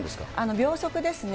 秒速ですね、